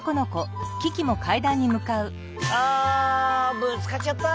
ああぶつかっちゃった。